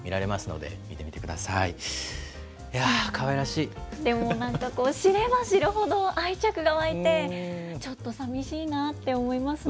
でも、なんかこう、知れば知るほど、愛着が湧いて、ちょっとさみしいなって思いますね。